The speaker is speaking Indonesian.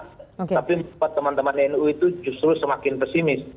tapi membuat teman teman nu itu justru semakin pesimis